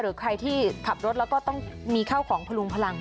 ใครที่ขับรถแล้วก็ต้องมีข้าวของพลุงพลัง